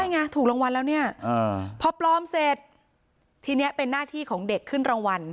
ไงถูกรางวัลแล้วเนี่ยพอปลอมเสร็จทีนี้เป็นหน้าที่ของเด็กขึ้นรางวัล